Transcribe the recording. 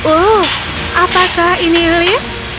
oh apakah ini lift